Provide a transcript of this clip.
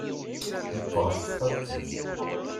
Meqqret texxamt-ik.